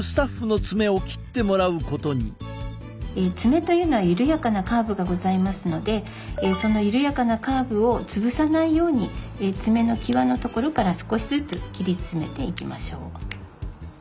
爪というのは緩やかなカーブがございますのでその緩やかなカーブを潰さないように爪の際の所から少しずつ切り進めていきましょう。